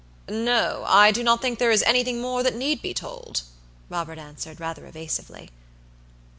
"No. I do not think there is anything more that need be told," Robert answered, rather evasively.